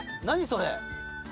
それ。